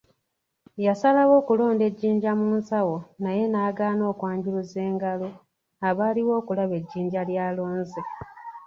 Yasalawo okulonda ejjinja mu nsawo naye n’agaana okwanjuluza engalo abaaliwo okulaba ejjinja ly’alonze.